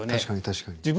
確かに確かに。